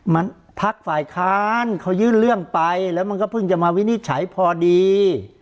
มันพักฝ่ายค้านเขายื่นเรื่องไปแล้วมันก็เพิ่งจะมาวินิจฉัยพอดี